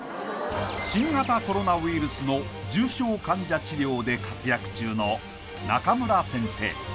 新型コロナウイルスの重症患者治療で活躍中の中村先生